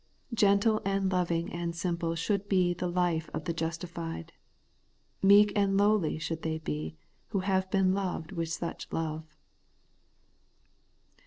Gentle and loving and simple should be the life of the justified: meek and lowly should they be, who have been loved with such a love.